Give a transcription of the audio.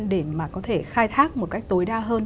để mà có thể khai thác một cách tối đa hơn